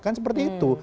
kan seperti itu